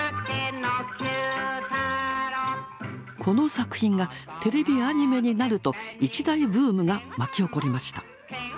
この作品がテレビアニメになると一大ブームが巻き起こりました。